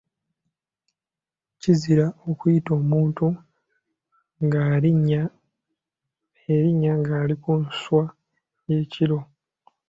Kizira okuyita omuntu erinnya ng’ali ku nswa ye ekiro.